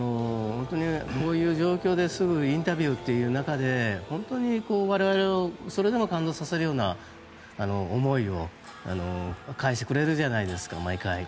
本当にこういう状況ですぐにインタビューという中で本当に我々をそれでも感動させるような思いを返してくれるじゃないですか。